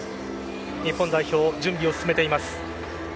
日本代表、準備を進めています。